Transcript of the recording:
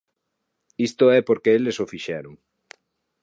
Isto é porque eles o fixeron.